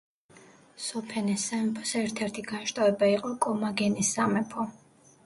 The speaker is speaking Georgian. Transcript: სოფენეს სამეფოს ერთ-ერთი განშტოება იყო კომაგენეს სამეფო.